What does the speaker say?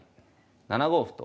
７五歩と。